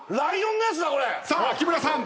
さあ日村さん。